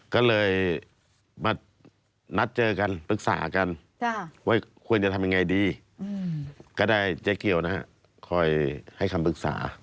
ก็เลยมานัดเจอกันปรึกษากันว่าควรจะทำยังไงดีก็ได้เจ๊เกียวนะฮะคอยให้คำปรึกษา